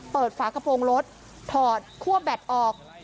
ฝากระโปรงรถถอดคั่วแบตออก